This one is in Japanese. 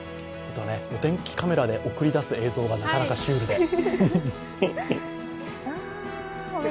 お天気カメラで送り出す映像が、なかなかシュールで。